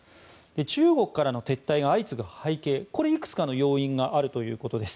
中国からの撤退が相次ぐ背景はいくつかの要因があるということです。